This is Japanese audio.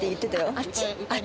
あっち。